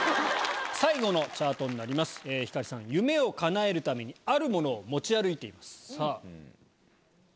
最後のチャートになります星さん夢を叶えるためにあるものを持ち歩いていますさぁ。